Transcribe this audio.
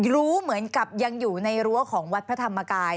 รู้เหมือนกับยังอยู่ในรั้วของวัดพระธรรมกาย